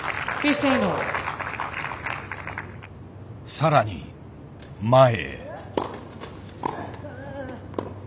更に前へ。